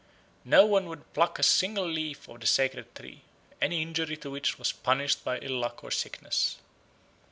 No one would pluck a single leaf of the sacred tree, any injury to which was punished by ill luck or sickness.